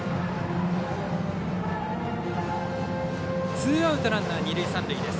ツーアウト、ランナー二塁三塁です。